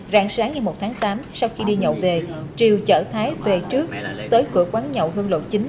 rạng sáng ngày một tháng tám sau khi đi nhậu về triều chở thái về trước tới cửa quán nhậu hương lộ chín